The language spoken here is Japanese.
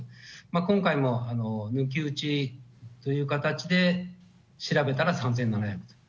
今回も抜き打ちという形で、調べたら３７００。